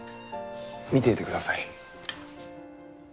見ていてください。